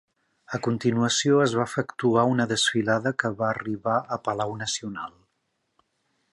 A continuació es va efectuar una desfilada que va arribar a Palau Nacional.